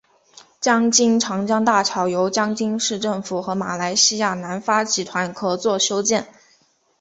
江津长江大桥由江津市政府和马来西亚南发集团合作修建。